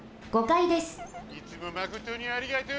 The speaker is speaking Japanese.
いつもまことにありがとう。